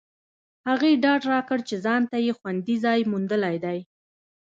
هغې ډاډ راکړ چې ځانته یې خوندي ځای موندلی دی